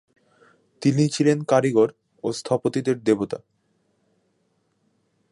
তিনি ছিলেন কারিগর ও স্থপতিদের দেবতা।